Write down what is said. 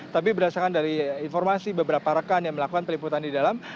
tapi berdasarkan dari informasi beberapa rekan yang melakukan peliputan di dalam